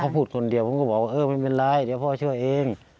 พูดคนเดียวผมก็บอกว่าเออไม่เป็นไรเดี๋ยวพ่อช่วยเอง